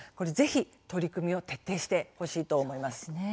ぜひ取り組みを徹底してほしいと思います。